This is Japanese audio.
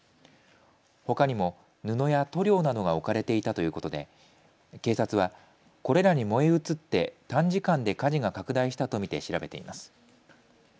ほかにも布や塗料などが置かれていたということで警察はこれらに燃え移って短時間で火事が拡大したと見て調べています。